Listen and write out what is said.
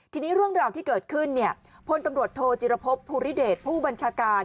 ทีนี้เรื่องราวที่เกิดขึ้นพลตำรวจโทจิรพบภูริเดชผู้บัญชาการ